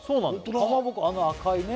かまぼこあの赤いね